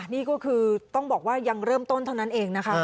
นี่ก็คือต้องบอกว่ายังเริ่มต้นเท่านั้นเองนะคะ